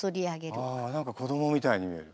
あ何か子どもみたいに見える。